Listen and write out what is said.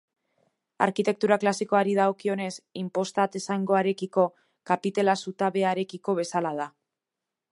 Arkitektura klasikoari dagokionez, inposta atezangoarekiko, kapitela zutabearekiko bezala da.